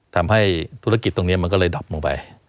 ทำให้ธุรกิจตรงนี้มันก็เลยดับลงไป